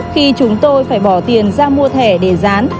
khi chúng tôi phải bỏ tiền ra mua thẻ để dán